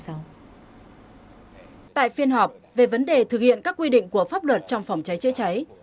tại phiên họp về vấn đề thực hiện các quy định của pháp luật trong phòng cháy chữa cháy